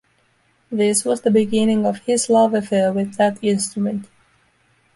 This was the beginning of his love affair with that instrument.